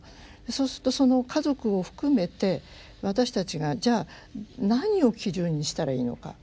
そうするとその家族を含めて私たちがじゃあ何を基準にしたらいいのか。